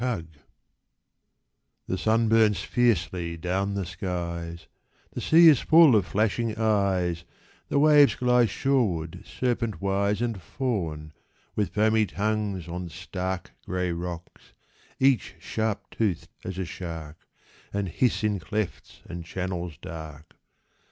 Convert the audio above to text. A PICTURE THE sun burns fiercely down the skies ; The sea is full of flashing eyes ; The waves glide shoreward serpentwise And fawn with foamy tongues on stark Gray rocks, each sharp toothed as a shark, And hiss in clefts and channels dark.